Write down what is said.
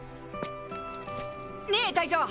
ねえ隊長。